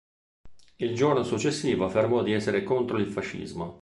Il giorno successivo affermò di essere contro il fascismo.